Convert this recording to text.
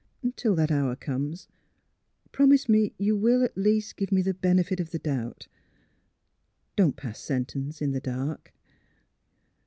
Till that hour comes, promise me you will, at least, give me the benefit of the doubt. Don't pass sentence — in the dark.